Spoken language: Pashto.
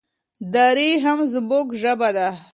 دري هم زموږ ژبه ده.